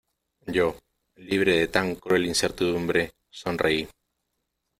yo, libre de tan cruel incertidumbre , sonreí: